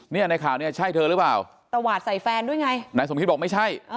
ในข่าวเนี่ยใช่เธอหรือเปล่าตวาดใส่แฟนด้วยไงนายสมคิดบอกไม่ใช่